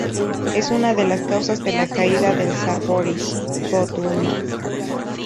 Es una de las causas de la caída del zar Boris Godunov.